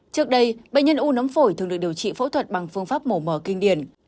trước đây bệnh nhân u nấm phổi thường được điều trị phẫu thuật bằng phương pháp mổ mở kinh điển